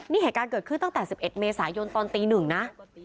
นี่แห่งการเกิดขึ้นตั้งแต่๑๑เมษายนตอนตีหนึ่งนะ